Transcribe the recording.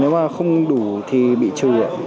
dạ nếu mà không đủ thì bị trừ ạ